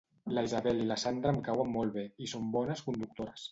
La Isabel i la Sandra em cauen molt bé i són bones conductores